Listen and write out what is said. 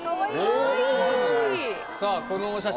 さぁこのお写真。